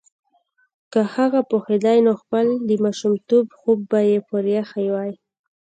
که هغه پوهیدای نو خپل د ماشومتوب خوب به یې پریښی وای